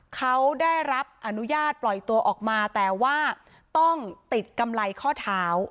เขาได้รับอนุญาตปล่อยตัวออกมาแต่ว่าต้องติดกำไรข้อเท้า